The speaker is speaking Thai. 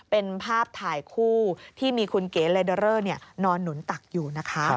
เป็นภาพถ่ายคู่ที่มีคุณเก๋เลเดอเรอร์นอนหนุนตักอยู่นะคะ